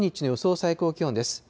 最高気温です。